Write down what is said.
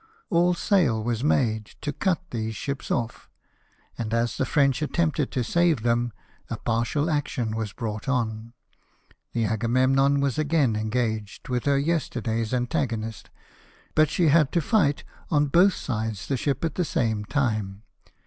All sail was made to cut these ships off ; and as the French attempted to save them, a partial action was brought on. The Agamem non was again engaged Avith her yesterday's antago nist ; but she had to fight on both sides the ship at the same time.